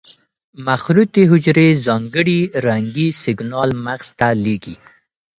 مخروطې حجرې ځانګړي رنګي سېګنال مغز ته لېږي.